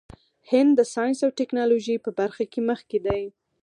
هند د ساینس او ټیکنالوژۍ په برخه کې مخکې دی.